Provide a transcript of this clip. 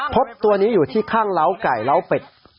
พบตัวนี้อยู่ที่ข้างไก่เป็ด